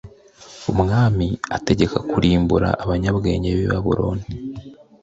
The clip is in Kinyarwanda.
umwami ategeka kurimbura abanyabwenge b i babuloni